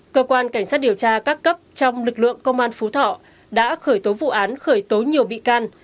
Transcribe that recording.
cơ quan cảnh sát điều tra các cấp trong lực lượng công an phú thọ đã khởi tố vụ án khởi tố nhiều bị can